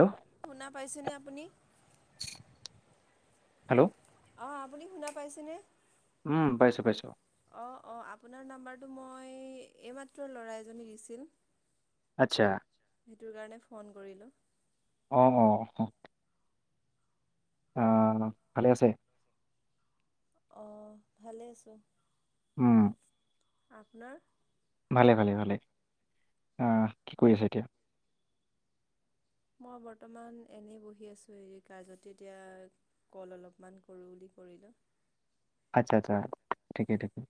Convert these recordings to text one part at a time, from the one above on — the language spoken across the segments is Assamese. হেল্ল' শুনা পাইছেনে আপুনি। হেল্লৌ! অঁ আপুনি শুনা পাইছেনে! উমঁ পাইছোঁ পাইছোঁ। অঁ অঁ আপোনাৰ নাম্বাৰটো মই এইমাত্ৰ ল'ৰা এজনে দিছিল। আচ্ছা। সেইটোৰ কাৰণে ফোন কৰিলোঁ। অঁ অঁ অঁ। অঁ ভালে আছে? অঁ ভালে আছোঁ। উমঁ! আপোনাৰ ভালে ভালে ভালে আহ কি কৰি অঁ আছে এতিয়া? মই বৰ্তমান এনেই বহি আছো এই কাজতে এতিয়া কল অলপমান কৰোঁ বুলি কৰিলোঁ। আচ্ছা আচ্ছা ঠিকে ঠিকে।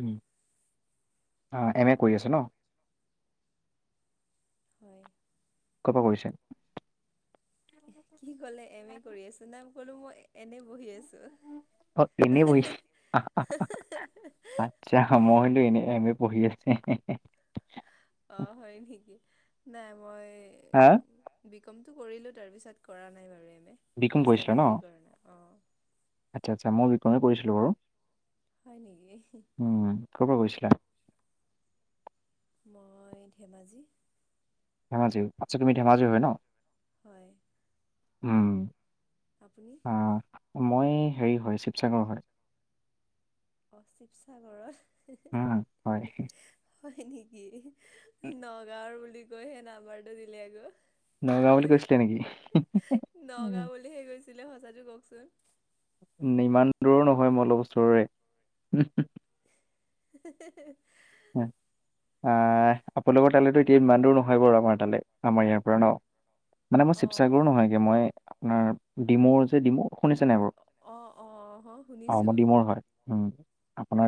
উমঁ এম এ কৰি আছে ন। হয়ঁ! কৰ পৰা কৰিছা? কি কলে এম এ কৰি আছ নাই কলো মই এনে বহি আছোঁ। অ এনেই বহি অহোহহ হুহহ এতিয়া সময় হলো এনে এম এ পঢ়ি আছে হেহে অঁ হয়ঁ নেকি নাই মই। হা! বিকমটো কৰিলোঁ তাৰপিছত কৰা নাই বাৰু M A B com master কৰিছিলা ন ডিগ্ৰী কৰা নাই অঁ। আচ্ছা আচ্ছা মইয়ো বিকমে পঢ়িছিলো বাৰু। হয়ঁ নেকি? উমঁ ক'ৰ পৰা কৈৰিছিলা? মই ধেমাজি। ধেমাজি আচ্ছা তুমি ধেমাজিৰ হয় ন। হয়। উম। আপুনি? অঁ' মই হেৰি হয় শিৱসাগৰৰ হয়। অ শিৱসাগৰ উম, হয় হয় নেকি। নগাঁওৰ বুলি কৈহে নাম্বাৰটো দিলে আকৌ। নগাঁওৰ বুলি কৈছিলে নেকি। নগাঁও উম। বুলিহে কৈছিলে সঁচাটো কওকচোন। ইমান দূৰৰো নহয় মই অলপ ওচৰৰে। হে হে হে। [unintelligible] আহ আপোনালোকৰ তালৈ এতিয়া ইমান দূৰো নহয় বাৰু আমাৰ তালৈ আমাৰ ইয়াৰ পৰা ন। মানে মই অ শিৱসাগৰৰো নহয়গে মই আপোনাৰ ডিম'ৰ যে ডিম। শুনিছা নে নাই বাৰু অ অ হ অ শুনিছো মই ডিমোৰ হয় উম।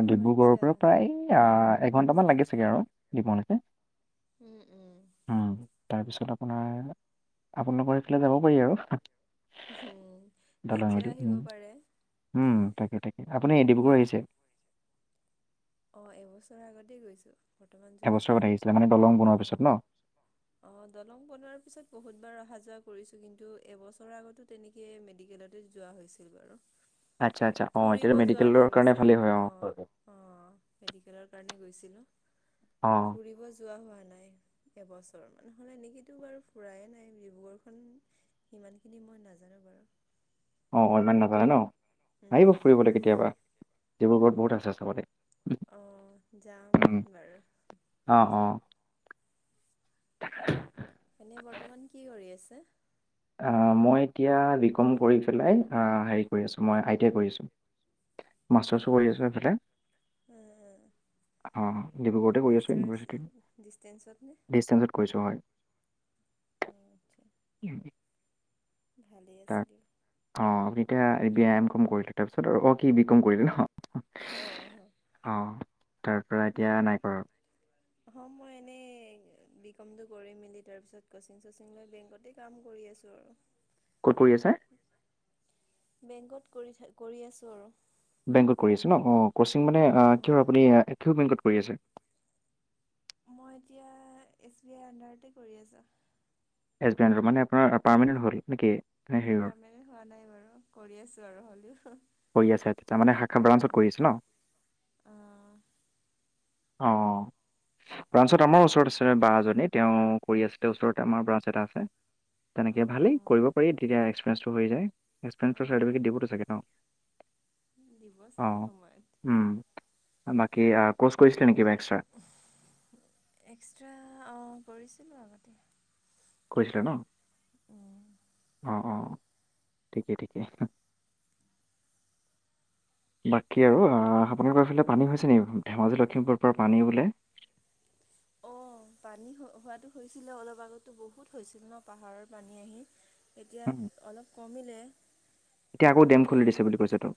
অ ডিব্ৰুগড়ৰ আচ্ছা পৰা প্ৰায় আ এঘণ্টামান লাগি চাগে আৰু ডিমৌ লৈকে। উম উম। উম তাৰ পিছত আপোনাৰ আপোনালোকৰ এইফালে যাব পাৰি আৰু। উম দলং নিশ্চয় দি আহিব উম। পাৰে। উম তাকে তাকে আপুনি ডিব্ৰুগড় আহিছে। অঁ' এবছৰ আগতে গৈছো। এবছৰত আগতে আহিছিলে মানে দলং বনোৱাৰ পিছত ন। অঁ' দলং বনোৱাৰ পিছত বহুত বাৰ অহা যোৱা কৰিছো কিন্তু এবছৰৰ আগতো তেনে কে মেডিকেলতে যোৱা হৈছিল বাৰু। আচ্ছা আচ্ছা অ ফুৰিব এতিয়াতো যোৱা মেডিকেলৰ নাই কাৰণে পিছে ভালেই হয় অ। অঁ' অঁ মেডিকেলৰ কাৰণে গৈছিলোঁ। অঁ' ফুৰিব যোৱা হোৱা নাই। এবছৰ মানে হ'লে এনেকেতো বাৰু ফুৰায়ে নাই ডিব্ৰুগড়খন। সিমানখিনি মই নাজানো বাৰু। অঁ অকনমান নাজানে ন উম আহিব উম ফুৰিবলৈ কেতিয়াবা ডিব্ৰুগড়ত বহুত আছে চাবলে। অঁ' যাম বাৰু। অঁ'অঁ' এনে বৰ্তমান কি কৰি আছে? অ মই এতিয়া বি কম কৰি পেলাই হেৰি কৰি আছো মই আই টি আই কৰি আছোঁ। মাষ্টাৰ্ছ মাষ্টাৰছো কৰি আছো ইফালে। আছে মানে। অ ডিব্ৰুগড়তে কৰি আছোঁ মাষ্টাৰ্ছ ডিষ্টেঞ্চত নে ইউনিভাৰ্চিটিত ডিচষ্টেঞ্চত কৰিছোঁ হয়। অঁ' আচ্ছা। [unintelligible] ভালেই আছে দিয়ক। অঁ' এতিয়াই এম কম কৰিল তাৰপিছত অ কি বি কম কৰিলি ন। অহ। অঁ' [unintelligible] অঁ মই এনেই বি কমটো কৰি মেলি তাৰপিছত কচিং চচিং লৈ বেংকতে কাম কৰি আছোঁ আৰু। [inaudible] ক'ত কৰি আছে বেংকত কৰি থ কৰি আছো আৰু বেংকত কৰি আছে ন অ কচিং কিহৰ ক্ৰচিং মানে কিয়ৰ আপুনি কিয় বেংকত কৰি আছে মই এতিয়া এছ বি আই আণ্ডাৰতে কৰি আছো এছ বি এনৰ মানে আপোনাৰ পাৰ্মেণেনত হ'ল নেকি। নে হেৰিয়ৰ পাৰমানেণ্ট হোৱা নাই বাৰু কৰি আছো আৰু হলেও হৈ আছে তেয়া মানে শাখা অ ব্ৰাঞ্চত কৰিছো ন অ অঁ ব্ৰাঞ্চত আমাৰ ওচৰত আছে বা এজনী তেওঁ কৰি আছিল তেওঁ ওচৰতে আমাৰ ব্ৰাঞ্চ এটা আছে তেনেকে অ ভালেই কৰিব পাৰি তেতিয়া এক্সিৰিয়েঞ্চটো হৈ যায় অ এক্সপিৰিয়েঞ্চ অ চাৰ্টিফিকেট দিবতো চাগে তেওঁ দিব চাগে সময়ত উম বাকী ক্ৰচ কৰিছিলে নেকি কিবা এক্সট্ৰা এক্সট্ৰা অ কৰিছিলোঁ আগতে কৈছিলা ন অ অঁ ঠিকেই ঠিকেই [inaudible] বাকী আৰু আপোনালোকৰ এইফালে পানী হৈছে নিে ধেমাজি লখিমপুৰৰ পৰা পানী বোলে অঁ পানী হোৱাটো হৈছিলে অলপ আগতো বহুত হৈছিল ন পাহাৰৰ পানী আহি এতিয়া উম, অলপ কমিলে এতিয়া আকৌ আৰু ডেম খুলি দিছে বুলি কৈছে তো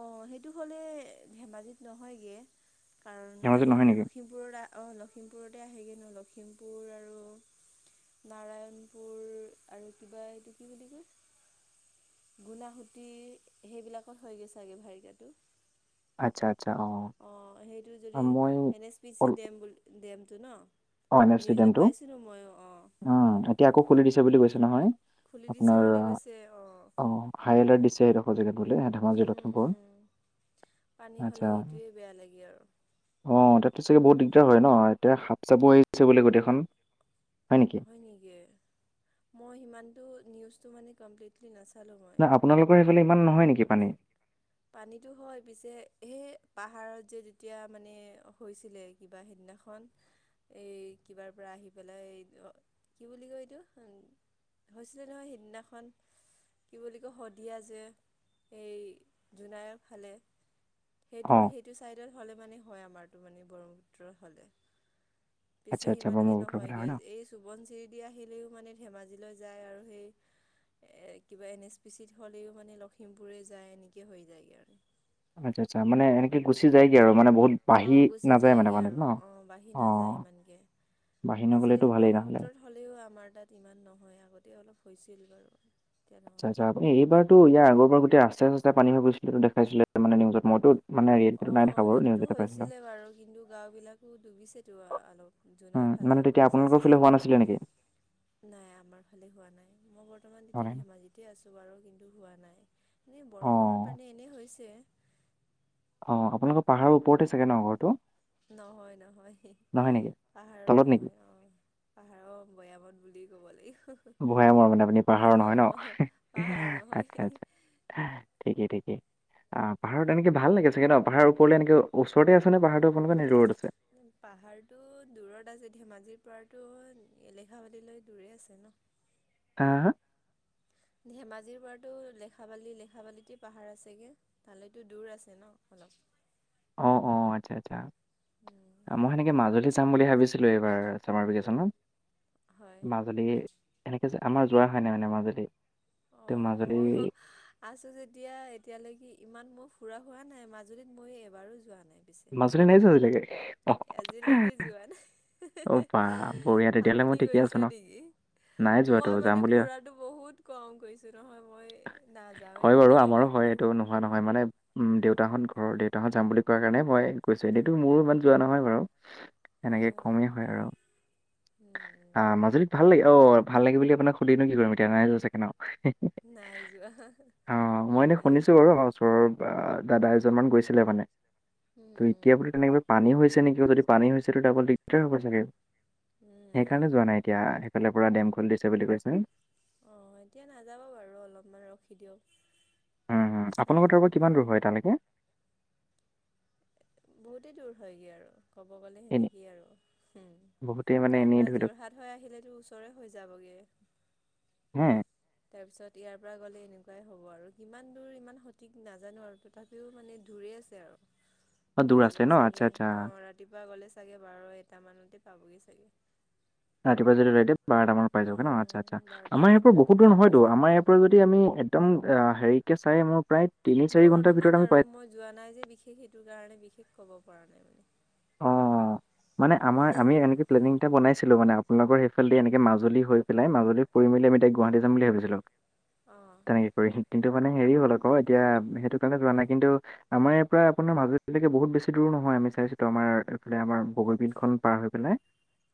অঁ সেইটো হ'লে ধেমাজিত নহয়গৈ কাৰণ ধেমাজিত এই নহয় নেকি লখিমপুৰ লখিমপুৰত অঁ লখিমপুৰতে আহেগৈ নো লখিমপুৰ আৰু নাৰায়ণপুৰ আৰু কিবা এইটো কি বুলি কয় গুণাসুতি সেইবিলাকত হৈ গৈ চাগে ভাৰিকটো আচ্ছা আচ্ছা অ সেইটো যদি মই N S P C dam বুলি ডেমটো ন অঁ এন এফ নিউজত ষ্টিডিয়ামটো পাইছিলোঁ ময়ো অঁ এতিয়া আকৌ খুলি দিছে বুলি কৈছে নহয় খুলি দিছে আপোনাৰ বুলি আহ, কৈছে অ হাই এলাৰ্ট দিছে সেইডোখৰ জেগাত বোলে ধেমাজি উম লখিমপুৰ উম পানী আচ্ছা হ'লে সেইটোৱে বেয়া লাগে আৰু অ তাতো চাগে বহুত দিগদাৰ হয় ন এতিয়া সাপ চাববোৰ এৰি দিছে বোলে গোটেইখন হয় নেকি হয় নেকি মই সিমান টো নিউজটো মানে কমপ্লিট নচালো মই নাই আপোনালোকৰ ইফালে ইমান নহয় নেকি পানী পানীতো হয় পিছে সেই পাহাৰত যে তেতিয়া মানে হৈছিলে কিবা সিদিনাখন এই কিবাৰ পৰা আহি পেলাই কি বুলি কয় এইটো হৈছিলে নহয় সিদিনাখন কি বুলি কয় শদিয়া যে এই জোনাইয়ৰ ফালে সেইটো অ সেইটো চাইডত হ'লে মানে হয় আমাৰটো মানে ব্ৰহ্মপুত্ৰ হ'লে আচ্ছা পিছে আচ্ছা সিমান কি ব্ৰহ্মপুত্ৰৰ ফালে হয় ন নহয়গৈ এই চবণ চিৰিদি আহিলেও মানে ধেমাজিলৈ যায় আৰু সেই কিবা এন এছ পি চিত হ'লেও মানে লখিমপুৰে যায় এনেকৈ হৈ যায়গৈ আৰু আচ্ছা মানে গুচি যায়গৈ আৰু মানে বহুত বাঢ়ি অঁ গুচি নাযায় মানে যায়গৈ মানে আৰু ন অঁ বাঢ়ি অ নাযায় ইমানকৈ বাহিনী গলেতো আজিকালি ভালেই নহ'লে ব্ৰহ্মপুত্ৰত হ'লেও আমাৰ তাত ইমান নহয় আগতে অলপ হৈছিল বাৰু এতিয়া আচ্ছা নহয় আচ্ছা এইবাৰতো ইয়াৰ আগৰবাৰ গোটেই ৰাস্তা চাস্তা পানী হৈ গৈছিলে দেখাইছিলে মানে নিউজত মইতো। মানে অ ৰিয়েলমিটো নাই দেখা বাৰু নিউজ সেইটোতো এটা পাইছিলো হৈছিলে বাৰু কিন্তু গাঁও বিলাকো ডুবিছেতো আ অলপ। জোনাই উম ফালে মানে তেতিয়া আপুনি আপোনালোকৰ চাইছে ফালে হোৱা চাগে। নাছিলে নেকি নাই আমাৰ ফালে হোৱা নাই মই বৰ্তমান হোৱা তেতিয়া নাই ন? ধেমাজিতে আছো বাৰু কিন্তু হোৱা নাই। এনেই বৰষুণৰ অ পানী এনেই হৈছে। অঁ আপোনালোকৰ পাহাৰৰ ওপৰতে চাগে ন ঘৰটো। নহয় নহয় হেহ নহয় নেকি পাহাৰত তলত নেকি নহয় অহ। পাহাৰৰ ভৈয়ামত বুলি ক'ব লাগিব। ভৈয়ামৰ মানে আপুনি পাহাৰৰ নহয় অ' ন পাহাৰ নহয়। আচ্ছা আচ্ছা। হা ঠিকেই ঠিকেই। আহ পাহাৰত এনেকে ভাল লাগে চাগে ন পাহাৰ ওপৰেলে এনেকে ওচৰতে আছে নে পাহাৰতো আকমান নে দূৰত আছে। পাহাৰটো দূৰত আছে ধেমাজিৰ পৰাতো এলেখাবাদিলৈ দূৰেই আছে ন। আহ হা। ধেমাজিৰ পৰাতো লেখাবালি লেখাবালিতে পাহাৰ আছেগে। তালৈতো দূৰ আছে ন অলপ। অ অ আচ্ছা আচ্ছা মই সেনেকে মাজুলী যাম বুলি ভাবিছোঁ। এইবাৰ চামাৰ হয় ভেকেশনত মাজুলী। এনেকে যে আমাৰ যোৱা হয় নাই মানে মাজুলী। অ ত মাজুলী মইয়ো। আছো যেতিয়া এতিয়ালৈকে ইমান মোৰ ফুৰা হোৱা নাই মাজুলীত মই এবাৰো যোৱা নাই পিছে। মাজুলি নাই যোৱা এতিয়ালৈকে। আজিলৈকে যোৱা নাই হৈ অ বা বঢ়িয়া ও তেতিয়াহ'লে মই আপুনি ঠিকে আছো গৈছে ন নেকি। নাই যোৱাতো মই যাম মানে বুলি ফুৰাটো বহুত কম কৰিছো নহয় মই নাযাওৱে হয় বাৰু মানে আমাৰো সিমান। হয় এইটো নোহোৱা নহয় মানে। উম দেউতাহত ঘৰৰ দেউতাহত যাম বুলি কোৱা কাৰণে মই গৈছো এনেতো মোৰো ইমান যোৱা নহয় বাৰু। হয় হয়। পায় আৰু। উম, আহ মাজুলীত ভাল লাগে অ ভাল লাগে বুলি আপোনাক সুধি নো কি কৰিম এতিয়া নাই যোৱা চাগে ন। নাই যোৱা অ মই এনে নাই শুনিছো যোৱা। বাৰু আমাৰ ওচৰৰ আ দাদা এজনমান গৈছিলে মানে উম, তো উম, এতিয়া আপুনি তেনেকৈ। পানী হৈছে নেকি যদি পানী হৈছেটো ডাবল দিগদাৰ হ'ব চাগে সেইকাৰণে উম। যোৱা নাই। এতিয়া সেইফালে পুৰা ডেম খুলি দিছে বুলি কৈছোং। অঁ এতিয়া নাযাব বাৰু অলপমান ৰখি দিয়ক। উম হুম চাই আপোনালোকৰ তাৰ লওক। পৰা কিমান দূৰ হয় তালৈকে। বহুতেই দূৰ হয়গে আৰু। ক'ব গ'লে এনে সেনেকে আৰু হুম বহুতেই মানে তাৰ এনেই পৰা ধৰি লওক যোৰহাট। হৈ আহিলে তোৰ ওচৰে হৈ যাবগে। হোম। তাৰ পিছত ইয়াৰ পৰা গ'লে এনেকুৱাই হ'ব আৰু কিমান দূৰ ইমান সঠিক নাজানো আৰু। তথাপিও মানে দূৰে আছে আৰু। অ দূৰ লাগিব আছে ন আচ্ছা চাগে আচ্ছা অ' ৰাতিপুৱা গ'লে চাগে বাৰ এটামানতে পাবগৈ চাগে। ৰাতিপুৱা যদি ৰাতি বাৰটামান পাই যাব ন' আচ্ছা আচ্ছা উম বাৰটা আমাব এটা ইয়াৰ পৰা মানতে বহুত দূৰ পাবগৈ নহয়তো চাগে আমাৰ। পুৱা যদি আমি একদম হেৰিকে চাই মোৰ প্ৰায় তিনি মোৰ চাৰি ঘণ্টাৰ অনুমান ভিতৰত আমি আৰু পাই। মই যোৱা নাই যে বিশেষ সেইটোৰ কাৰণে বিশেষ ক'ব পৰা নাই মানে। অঁ মানে আমাৰ আমি এনেকে। প্লেনিং এটা বানাইছিলো মানে আপোনালোকৰ সেইফালেদি এনেকে মাজুলী হৈ পেলাই মাজুলী ফুৰি মেলি আমি ডাইৰেক্ট গুৱাহাটী যাম বুলি ভাবছিলোঁ। অঁহ কৰি কিন্তু মানে হেৰি হ'ল আকৌ এতিয়া সেইটো কাৰণে যোৱা নাই কিন্তু আমাৰ ইয়াৰ পৰা আপোনাৰ মাজুলীলৈকে বহুত বেছি দূৰ নহয়, আমি চাইছো আমাৰ এইফালে আমাৰ বগীবিলখন পাৰ হৈ পেলাই,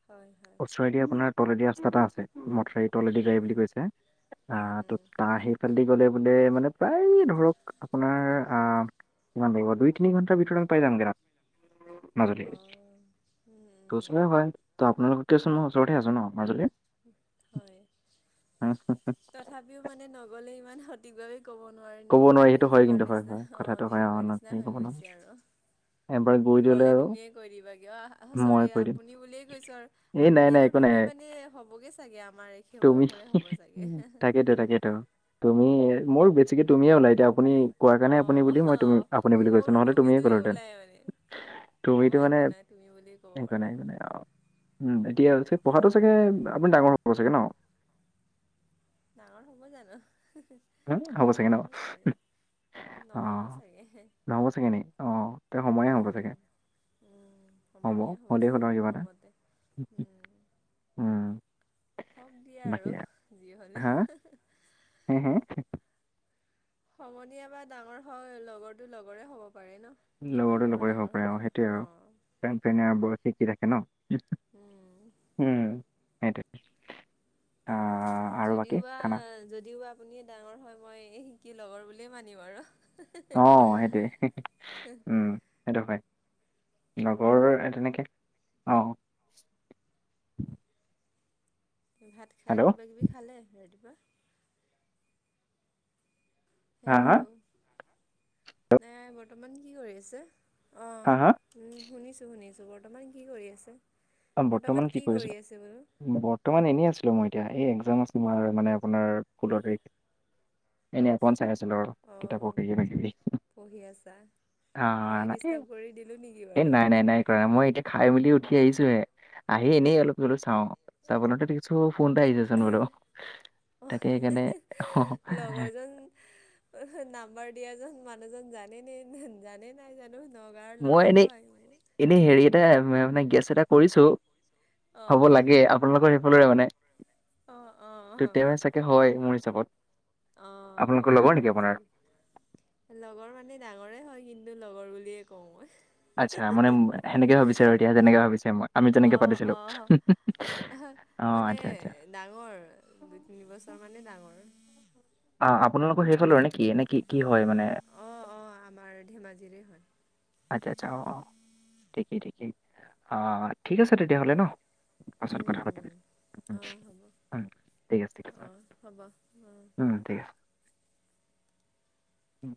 হয় হয় ওচৰেদি আপোনাৰ তলেদি ৰাস্তা এটা আছে। মথাৰি তলেদি উম যায় বুলি কৈছে। উম আঁ তো উম তাৰ সেইফালেদি গ'লে বোলে মানে প্ৰায় ধৰক আপোনাৰ অঁ, কিমান লাগিব দুই তিনি ঘণ্টাৰ ভিতৰত পাই যামগৈ। মাজুলী অ উম। তো উম ওচৰে হয়, তো আপোনালোকতকে চোন মই ওচৰতে আছোঁ ন' মাজুলী। হয়, তথাপিও মানে নগ'লে ইমান সঠিকভাৱে ক'ব নোৱাৰি ক'ব নহয়, সেইটো হয় তেনেকুৱা কিন্তু হয় নিচিনা হয় কথাটো অঁ হয় অ তেনেকুৱা ন নিচিনা হেৰি হৈ ক'ব নোৱাৰি গৈছে আৰু। এবাৰ গৈ দিলে গ'লে আৰু তুমিয়ে কৈ দিবা কিয় অ' মই চৰি কৈ দিম আপুনি বুলিয়েই কৈছো আৰু। এই নাই আপুনি নাই আৰু একো নাই তুমি মানে হ'বগৈ চাগে, আমাৰ একে বয়সৰে হ'ব চাগে। তাকেইতো তুমি মোৰ বেছিকে তুমিয়ে ওলাই এতিয়া আপুনি কোৱা কাৰণে আপুনি বুলি মই অ', আপুনি বুলি কৈছো মোৰো নহ'লে তুমিয়ে তুমিটোৱে ক'লো হেঁতেন। ওলাই মানে। হ'ব তুমিতো মানে, একো নাই তুমি বুলি ক'ব পাৰা। সেইকাৰণে সেইকাৰণে আও। উম, এতিয়া পঢ়াতো চাগে আপুনি ডাঙৰ হ'ব চাগে ন। ডাঙৰ হ'ব জানো। উম হ'ব চাগে ন'। নহ'ব চাগে, নহ'ব অঁ' চাগে। নহ'ব চাগে নি? অঁ' তে সময়ে হ'ব চাগে। উম, উম, সমনীয়া হ'ব হ'লেই হ'ল চাগে আৰু কিবা এটা। মোৰ মতে উম। উম। হওঁক দিয়া বাকী আৰু যি হা? হ'লেও। হে হে। সমনীয়া বা ডাঙৰ হয় লগৰটো লগৰে হ'ব পাৰে ন। যিমান সৰু ডাঙৰ হ'লেও অঁ'। প্ৰেন ফেনে আৰু বয়সে কি ৰাখে ন'। উম। উম, সেইটোৱে। আহ আৰু বাকী যদিওবা খানা? যদিওবা আপুনিয়ে ডাঙৰ হয় মই কি লগৰ বুলিয়ে মানিম আৰু। অঁ, সেইটোৱে উম। সেইটো হয়, লগৰ তেনেকে অঁ। ভাত খাই হেল্ল'? কিবা কিবি খালে ৰাতিপুৱা? হা হেল্ল, হা? নাই বৰ্তমান কি কৰি আছে? হা হা? অঁ। উম শুনিছোঁ শুনিছোঁ, বৰ্তমান কি কৰি আছে, বৰ্তমান কি কৰি আছে বোলো? বৰ্তমান এনেই আছিলো মই এতিয়া, এই একজাম আছিলো তোমাৰ মানে আপোনাৰ ষোল্ল তাৰিখে। এনে অকণমান চাই আছিলো আৰু, অঁ কিতাপত কিবা কিবি। পঢ়ি আছা। অঁ, ময়ে এনেকেই, ডিষ্টাৰ্ব কৰি দিলোঁ নেকি এ বাৰু? নাই নাই নাই। মই এতিয়া খাই মেলি উঠি আহিছোহে, আহি এনেই অলপ ধৰিলোঁ চাওঁ, চাবলওঁতে দেখিছোঁ ফোন এটা আহিছে চুন বোলো। তাকে সেইকাৰণে লগৰজন নাম্বাৰ দিয়াজন মানুহজন জানেনে জানে নাই জানো? নগাঁৱৰ মই ল'ৰা এনেই হয় মানে। এনেই হেৰি এটা মানে গেছ এটা কৰিছো। হ'ব অঁ লাগে আপোনালোকৰ সেইফালৰে মানে অঁ অঁ হয় মোৰ হিচাপত। অ' আপোনালোকৰ হয় যে লগৰ নেকি হয় যে আপোনাৰ লগৰ মানে ডাঙৰে হয় কিন্তু লগৰ বুলিয়ে কওঁ মই। আচ্ছা মানে সেনেকে ভাবিছে আৰু এতিয়া যেনেকে ভাবিছে আমি যেনেকে অঁ পাতিছিলোঁ। অঁ মানে ডাঙৰ দুই তিনি বছৰ মানে ডাঙৰ। অ' আপোনালোকৰ সেইফালৰ নে কি নে কি কি হয় মানে। অ', অ', আমাৰ ধেমাজিৰে হয়। আচ্ছা আচ্ছা অ', অ', ঠিকেই ঠিকেই, অ' ঠিক আছে তেতিয়া হ'লে ন'। পাছত উম, কথা পাতিম উম, উম, অঁ' হ'ব, উম, ঠিক আছে ঠিক আছে অঁ' হ'ব, অঁ'। উম, ঠিক উম।